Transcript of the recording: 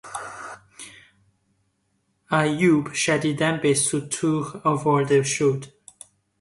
ایوب شدیدا به ستوه آورده شد.